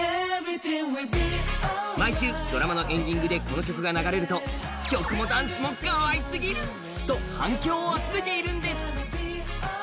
毎週ドラマのエンディングでこの曲が流れると曲もダンスもかわいすぎると反響を集めているんです。